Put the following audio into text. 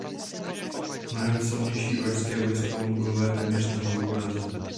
Mnohem silnější uherské vojsko Mongolové téměř na hlavu porazili.